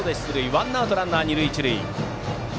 ワンアウトランナー、二塁一塁。